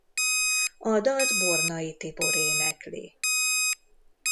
A dalt Bornai Tibor énekli.